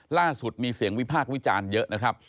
ล่าสุดมีเสียงวิพากษ์วิจารณ์เยอะนะครับ